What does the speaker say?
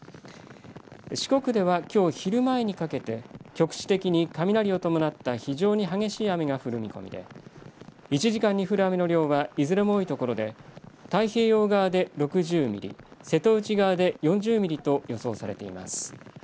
四国ではきょう昼前にかけて局地的に雷を伴った非常に激しい雨が降る見込みで１時間に降る雨の量はいずれも多いところで太平洋側で６０ミリ、瀬戸内側で４０ミリと予想されています。